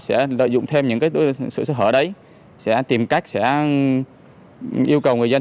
sẽ lợi dụng thêm những sự sơ hở đấy sẽ tìm cách sẽ yêu cầu người dân